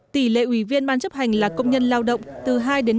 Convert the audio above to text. tỷ lệ ủy viên ban chấp hành là công nhân lao động từ hai năm